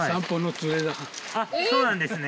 あっそうなんですね。